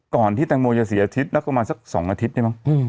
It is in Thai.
ก่อนที่ตังโมจะเสียอาทิตย์มันก็มาสักสองอาทิตย์ได้มั้ง